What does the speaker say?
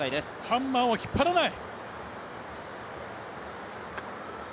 ハンマーを引っ張らない！